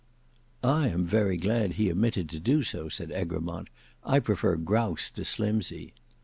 "I am very glad he omitted to do so," said Egremont; "I prefer Grouse to Slimsey."